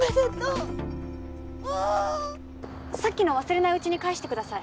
ああさっきの忘れないうちに返してください